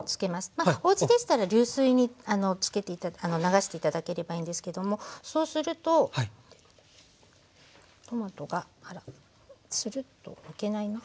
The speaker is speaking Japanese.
おうちでしたら流水に流して頂ければいいんですけどもそうするとトマトがあらツルッとむけないな。